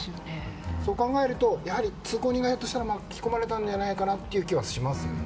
そう考えるとひょっとしたら通行人が巻き込まれたのではないかという気がしますね。